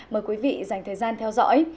mời quý vị dành thời gian theo dõi